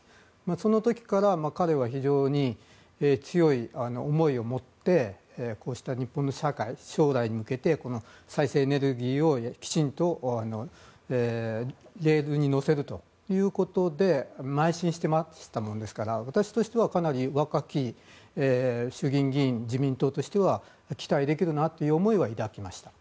その時から彼は非常に強い思いを持ってこうした日本の将来に向けて再生エネルギーをきちんとレールにのせるということで邁進してましたものですから私としてはかなり若き衆議院議員自民党としては期待できるなという思いは抱きました。